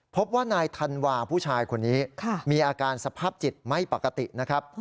พบว่านายธันวาผู้ชายคนนี้มีอาการสภาพจิตไม่ปกตินะครับ